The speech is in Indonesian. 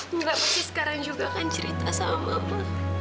enggak pasti sekarang juga kan cerita sama mama